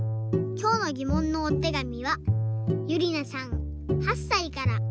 きょうのぎもんのおてがみはゆりなさん８さいから。